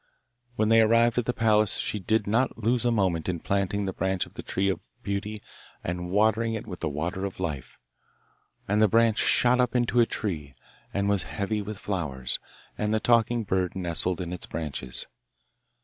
When they arrived at the palace she did not lose a moment in planting the branch of the tree of beauty and watering it with the water of life. And the branch shot up into a tree, and was heavy with flowers, and the talking bird nestled in its branches.